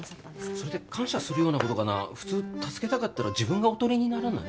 それって感謝するようなことかな普通助けたかったら自分が囮にならない？